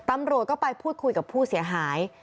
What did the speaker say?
ตำรวจก็ไปพูดคุยกับผู้เสียหาย